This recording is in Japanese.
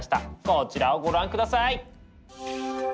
こちらをご覧下さい！